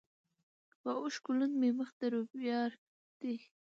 په اوښکو لوند مي مخ د رویبار دی